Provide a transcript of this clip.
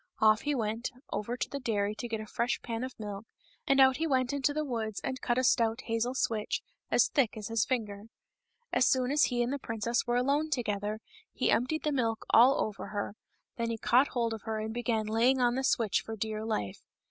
Off he went over to the dairy and got a fresh pan of milk, and out he went into the woods and cut a stout hazel switch, as thick as his finger. As soon as he and the princess were alone together he emptied the milk all over her ; then he caught hold of her and began laying on the switch for dear life.